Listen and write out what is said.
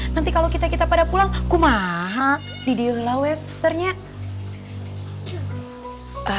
nanti kalau kita kita pada pulang kumaha didih dih lau ya susternya